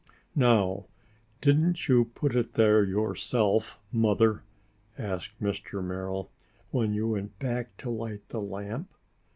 "Now, didn't you put it there yourself, Mother?" asked Mr. Merrill. "When you went back to light the lamp?"